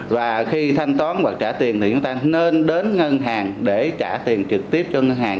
và khi thanh toán hoặc trả tiền thì chúng ta nên đến ngân hàng để trả tiền trực tiếp cho ngân hàng